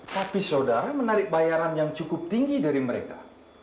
tapi saudara menarik bayaran yang cukup tinggi dari mereka